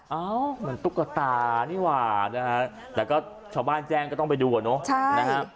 เอ้ามันตุ๊กตานี่ว่ะแล้วก็ชาวบ้านแจ้งก็ต้องไปดูก่อนเนาะ